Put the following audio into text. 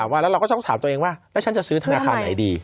มันเขาก็โปรโมทกันทุกแบงค์แล้วนะคะ